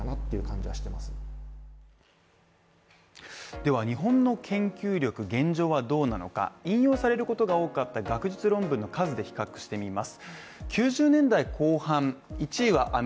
では日本の研究力現状はどうなのか、引用されることが多かった学術論文の数で比較してみます。